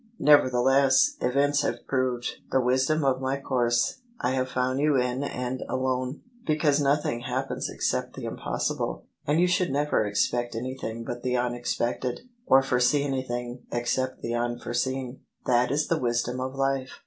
" Nevertheless, events have proved the wisdom of my course: I have found you in and alone." " Because nothing happens except the impossible: and you should never expect anything but the unexpected, or foresee anything except the unforeseen. That is the wisdom of life."